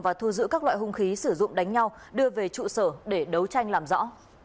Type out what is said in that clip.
và thu giữ các loại hung khí sử dụng đánh nhau đưa về trụ sở để đấu tranh làm rõ